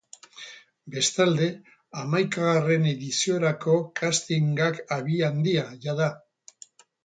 Bestalde, hamaikagarren ediziorako castingak abian dira jada.